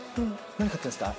何飼ってるんですか？